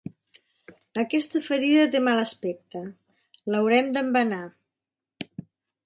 Aquesta ferida té mal aspecte: l'haurem d'embenar.